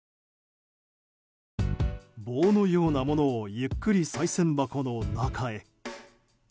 棒のようなものをゆっくり、さい銭箱の中へ。